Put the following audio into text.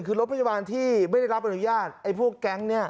คือรถพยาบาลที่ไม่ได้รับอนุญาตไอ้พวกแก๊งนี้